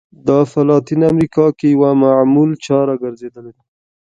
دا په لاتینه امریکا کې یوه معمول چاره ګرځېدلې.